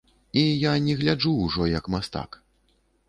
І я не гляджу ўжо як мастак.